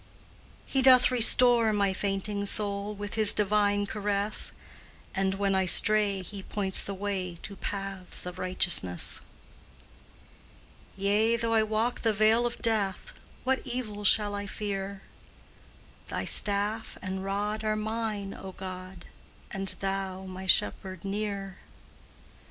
He doth restore my fainting soul With His divine caress, And, when I stray, He points the way To paths of righteousness. Yea, though I walk the vale of death, What evil shall I fear? Thy staff and rod are mine, O God, And Thou, my Shepherd, near!